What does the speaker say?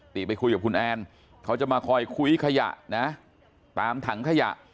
ไปคุยกับคุณแอนเขาจะมาคอยคุ้ยขยะนะตามถังขยะ